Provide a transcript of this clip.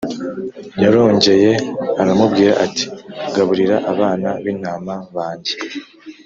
yarongeye aramubwira ati gaburira abana b intama banjye